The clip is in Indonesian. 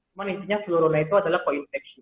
cuma intinya flurona itu adalah koinfeksi